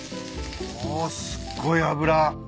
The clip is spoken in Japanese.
おっすっごい脂。